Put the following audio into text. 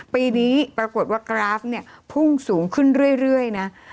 ปีนี้ปรากฏว่ากราฟเนี่ยพุ่งสูงขึ้นเรื่อยนะ